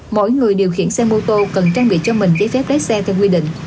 mỗi người điều khiển xe mô tô cần trang bị cho mình giấy phép lái xe theo quy định